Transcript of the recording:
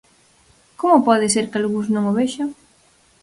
¿Como pode ser que algúns non o vexan?